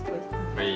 はい。